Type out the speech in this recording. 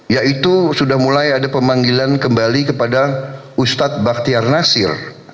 yaitu sudah mulai ada pemanggilan kembali kepada ustadz baktiar nasir